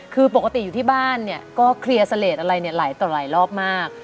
คือปกติอยู่ที่บ้านเนี่ยก็เคลียร์เสลดอะไรเนี่ยหลายต่อหลายรอบมาก